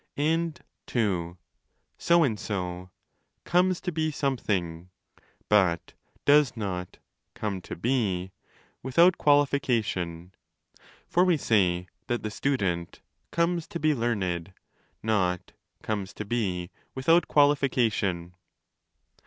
And (ii) so and so ' comes to be something', but does not.'come to be' without quali fication; for we say that the student ' comes to be learned', not 'comes to be' without qualification.